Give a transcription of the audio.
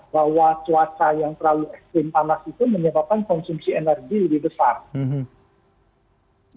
bahwa cuaca yang terlalu ekstrim panas itu menyebabkan konsumsi energi lebih besar